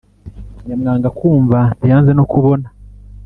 Nyamwanga kumva ntiyanze no kubona